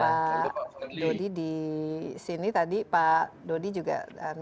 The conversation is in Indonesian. pak dodi di sini tadi pak dodi juga